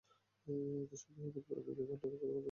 এত সুন্দর প্রাণীর এভাবে লড়াই করাটা ভাল মানায় না।